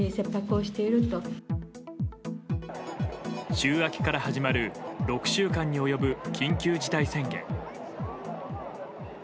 週明けから始まる６週間に及ぶ緊急事態宣言。